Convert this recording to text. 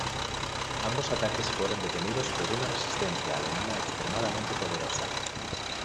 Ambos ataques fueron detenidos por una resistencia alemana extremadamente poderosa.